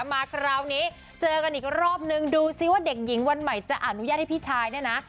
มาคราวนี้เจอกันอีกรอบนึงดูซิว่าเด็กหญิงวันใหม่จะอนุญาตให้พี่ชายเนี่ยนะ